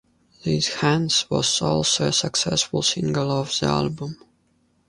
"These Hands" was also a successful single off the album.